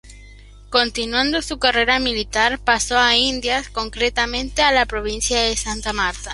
Continuando su carrera militar pasó a Indias, concretamente a la provincia de Santa Marta.